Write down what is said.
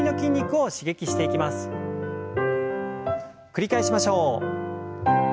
繰り返しましょう。